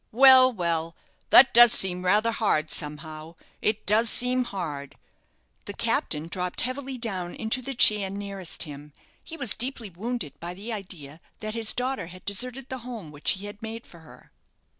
Well, well, that does seem rather hard somehow it does seem hard." The captain dropped heavily down into the chair nearest him. He was deeply wounded by the idea that his daughter had deserted the home which he had made for her.